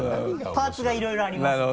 パーツがいろいろありまして。